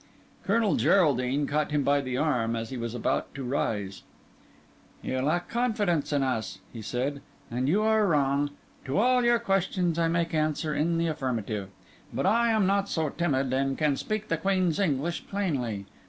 Colonel Geraldine caught him by the arm as he was about to rise. "You lack confidence in us," he said, "and you are wrong. To all your questions I make answer in the affirmative. But I am not so timid, and can speak the Queen's English plainly.